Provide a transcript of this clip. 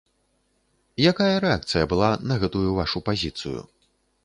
Якая рэакцыя была на гэтую вашу пазіцыю?